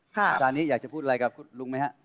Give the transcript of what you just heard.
อาจารย์นี้อยากจะพูดอะไรกับคุณลุงไหมฮะ